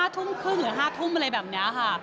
ทุ่มครึ่งหรือ๕ทุ่มอะไรแบบนี้ค่ะ